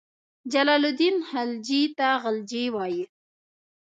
جلال الدین خلجي ته غلجي وایي.